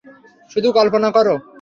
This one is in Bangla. শুধু কল্পনা করো।